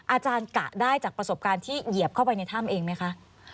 อาจารย์กะได้จากประสบการณ์ที่เหยียบเข้าไปในถ้ำเองไหมคะ